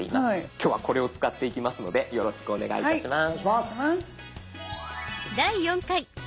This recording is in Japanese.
今日はこれを使っていきますのでよろしくお願いいたします。